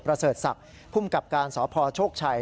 ประเสริฐศัพท์ผู้มกับการณ์สพชกชัย